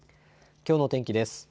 きょうの天気です。